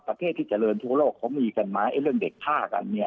ประเทศที่เจริญทั่วโลกเขามีกันไหมเรื่องเด็กฆ่ากันเนี่ย